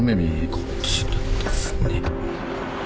こちらですね。